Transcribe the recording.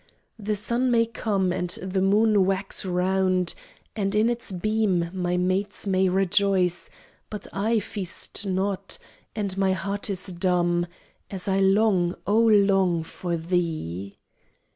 The sun may come And the moon wax round, And in its beam My mates may rejoice, But I feast not And my heart is dumb, As I long, O long, for thee!